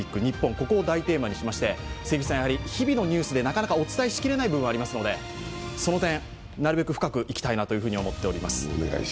ここを題材にしまして日々のニュースでなかなかお伝えしきれない部分がありますのでその点、なるべく深くいきたいなと思っております。